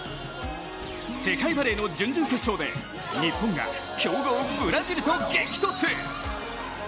世界バレーの準々決勝で日本が強豪・ブラジルと激突。